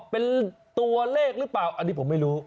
เป็นตัวเลขหรือเปล่าอันนี้ผมไม่รู้